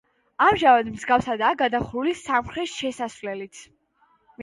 ამჟამად მსგავსადაა გადახურული სამხრეთ შესასვლელიც.